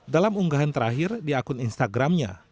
dalam unggahan terakhir di akun instagramnya